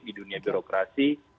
di dunia birokrasi